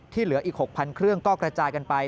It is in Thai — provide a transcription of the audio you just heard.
เหลืออีก๖๐๐๐เครื่องก็กระจายกันไป